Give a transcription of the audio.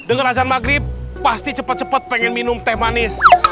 dengan azan maghrib pasti cepat cepat pengen minum teh manis